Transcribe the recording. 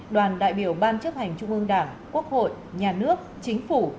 đoàn đại biểu ban chấp hành trung ương đảng quốc hội nhà nước chính phủ